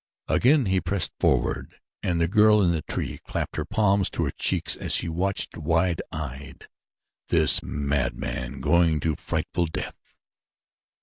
Again he pressed forward and the girl in the tree clapped her palms to her cheeks as she watched, wide eyed, this madman going to a frightful death.